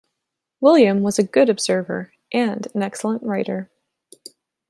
William was a good observer, and an excellent writer.